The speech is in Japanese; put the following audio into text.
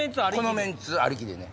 このメンツありきでね。